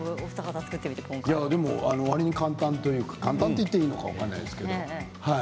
わりに簡単というか簡単と言っていいか分からないですけれど。